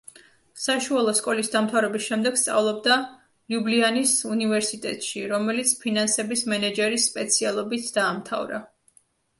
საშუალო სკოლის დამთავრების შემდეგ სწავლობდა ლიუბლიანის უნივერსიტეტში, რომელიც ფინანსების მენეჯერის სპეციალობით დაამთავრა.